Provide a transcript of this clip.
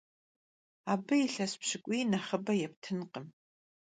Abı yilhes pşık'uy nexhıbe yêptınkhım.